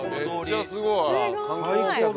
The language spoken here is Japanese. めっちゃすごい！最高だ。